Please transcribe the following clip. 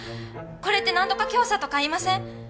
これってなんとか教唆とか言いません？